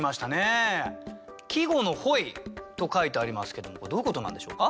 「季語の『本意』」と書いてありますけどもこれどういうことなんでしょうか？